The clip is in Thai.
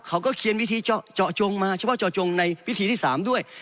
เขาก็เขียนวิธีเจาะจงมาเฉพาะเจาะจงในวิธีที่๓ด้วย